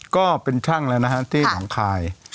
ก็เป็นช่างแล้วนะฮะที่หนองคาย